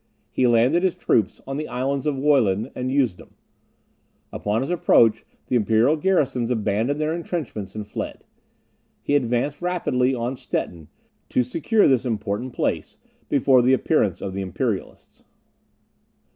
He landed his troops on the Islands of Wollin and Usedom; upon his approach, the imperial garrisons abandoned their entrenchments and fled. He advanced rapidly on Stettin, to secure this important place before the appearance of the Imperialists.